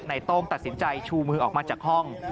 โต้งตัดสินใจชูมือออกมาจากห้อง